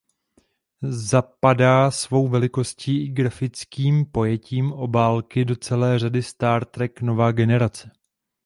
Zapadá svou velikostí i grafickým pojetím obálky do celé řady Star Trek Nová generace.